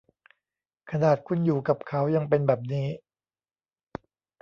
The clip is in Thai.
ขนาดคุณอยู่กับเขายังเป็นแบบนี้